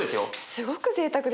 すごくぜいたくですよね。